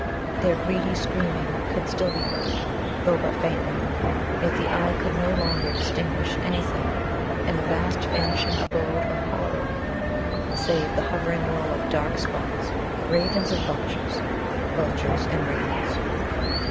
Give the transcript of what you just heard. Their greedy screaming could still be heard, though but faintly, yet the eye could no longer distinguish anything in the fast vanishing abode of horror, save the hovering whirl of dark spots ravens and vultures, vultures and ravens.